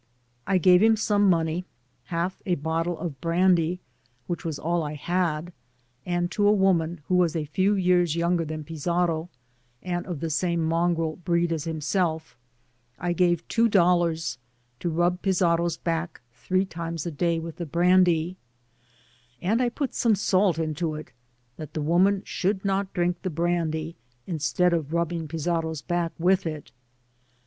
I gave him some money, half a bottle of brandy, which was all I had ; and to a woman, who was a few years younger than Fizarro, and of the same mongrel breed as himself, I gave two dollars, to rub Fizarro's back three times a day with the brandy ; and I put some salt into it, that the woman should not drink the brandy, instead of rubbing Fizarro's back with it.